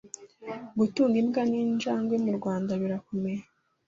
Gutunga imbwa n’injangwe mu Rwanda birakomeye.